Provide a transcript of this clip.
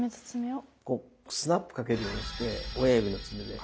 こうスナップかけるようにして親指の爪で。